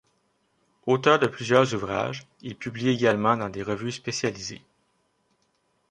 Auteur de plusieurs ouvrages, il publie également dans des revues spécialisées.